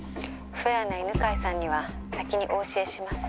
「フェアな犬飼さんには先にお教えします」